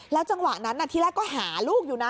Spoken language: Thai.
จังหวะนั้นที่แรกก็หาลูกอยู่นะ